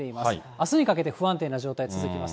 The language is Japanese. あすにかけて不安定な状態続きます。